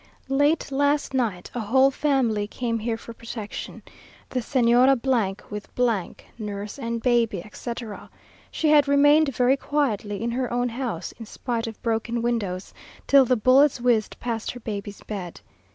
Late last night, a whole family came here for protection; the Señora with , nurse, and baby, etc. She had remained very quietly in her own house, in spite of broken windows, till the bullets whizzed past her baby's bed.